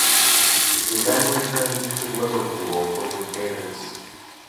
She then returned to Liverpool for repairs.